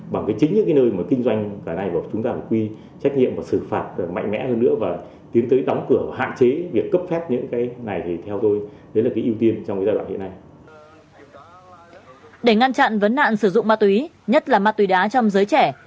vẫn nạn sử dụng ma túy nhất là ma túy đá trong giới trẻ